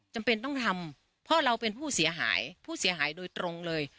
จำเป็นต้องทำเพราะเราเป็นผู้เสียหายผู้เสียหายโดยตรงเลย